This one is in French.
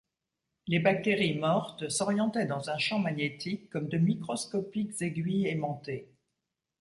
Les bactéries mortes s'orientaient dans un champ magnétique comme de microscopiques aiguilles aimantées.